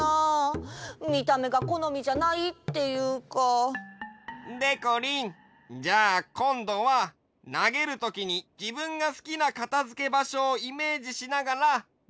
みためがこのみじゃないっていうか。でこりんじゃあこんどはなげるときにじぶんがすきなかたづけばしょをイメージしながらなげてごらん！